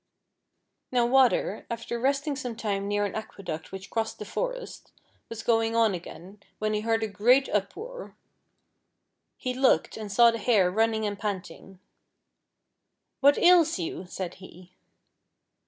Now Water, after resting some time near an aqueduct which crossed the forest, was going on again when he heard a great uproar. He looked, and saw the Hare running and panting. "What ails you .^" said he.